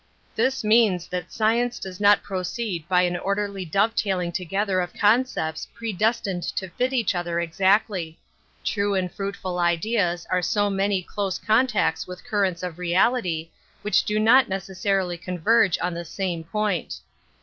This means that science does not proceed by an orderly dovetailing together of concepts predestined to fit each other exactly. True and fruitful ideas are so many close contacts with cur rents of reality, which do not necessarily converge on the same point.